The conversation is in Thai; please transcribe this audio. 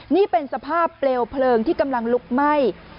นี่เป็นสภาพเปลวเพลิงที่กำลังลุกไหม้